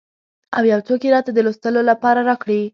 او یو څوک یې راته د لوستلو لپاره راکړي.